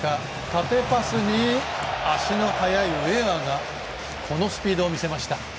縦パスに足の速いウェアがこのスピードを見せました。